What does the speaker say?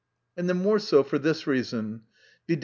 And the more so for this reason, viz.